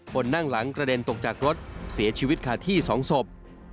คนนั่งหลังกระเด็นตกจากรถเสียชีวิตขาดที่๒ศพ